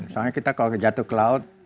soalnya kita kalau jatuh ke laut